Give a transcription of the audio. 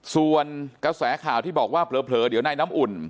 ส่วนกระแสข่าวที่บอกว่าเผลอเดี๋ยวนายน้ำอุ่น